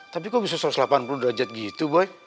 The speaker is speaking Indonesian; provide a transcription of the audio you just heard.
tapi kok bisa satu ratus delapan puluh derajat gitu boy